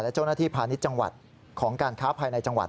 และเจ้าหน้าที่พาณิชย์จังหวัดของการค้าภายในจังหวัด